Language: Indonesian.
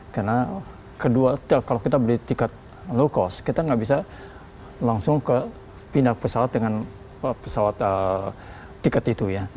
karena kedua kalau kita beli tiket low cost kita nggak bisa langsung pindah pesawat dengan tiket itu ya